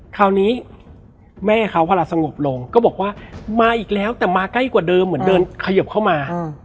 คราวนี้แม่เขาเวลาสงบลงก็บอกว่ามาอีกแล้วแต่มาใกล้กว่าเดิมเหมือนเดินเขยิบเข้ามา